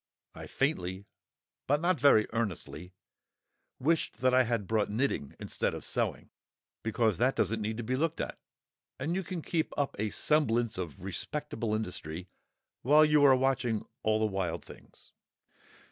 I faintly (but not very earnestly) wished that I had brought knitting instead of sewing, because that doesn't need to be looked at, and you can keep up a semblance of respectable industry while you are watching all the wild things.